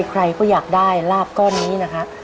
ใครก็อยากได้ลาบก้อนนี้นะครับ